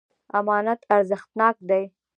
امانت ارزښتناک دی.